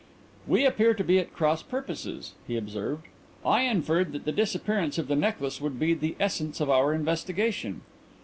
"We appear to be at cross purposes," he observed. "I inferred that the disappearance of the necklace would be the essence of our investigation."